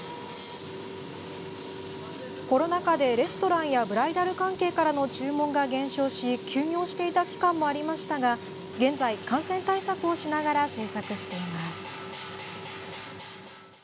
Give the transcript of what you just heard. コロナ禍でレストランやブライダル関係からの注文が減少し休業していた期間もありましたが現在、感染対策をしながら制作しています。